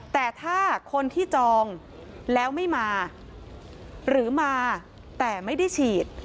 แต่ถ้าคนที่จองแล้วไม่มาหรือมาแต่ไม่ได้ฉีด